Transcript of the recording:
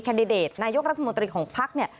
แคนดิเดตนายกรัฐมนตรีของพัก